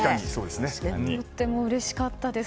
とってもうれしかったです。